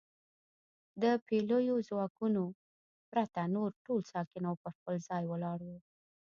د پلیو ځواکونو پرته نور ټول ساکن او پر خپل ځای ولاړ و.